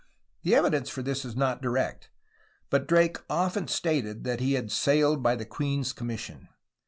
The evidence for this is not direct, but Drake often stated that he sailed by the queen's commission.